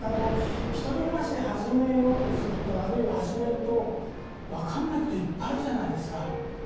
１人暮らしを始めようとするとあるいは始めると分からないことがいっぱいあるじゃないですか。